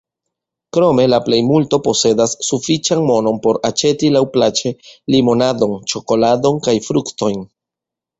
Krome la plej multo posedas sufiĉan monon por aĉeti laŭplaĉe limonadon, ĉokoladon kaj fruktojn.